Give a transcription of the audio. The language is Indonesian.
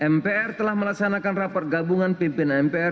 mpr telah melaksanakan rapat gabungan pimpinan mpr